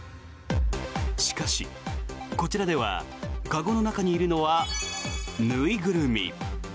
しかし、こちらでは籠の中にいるのは縫いぐるみ。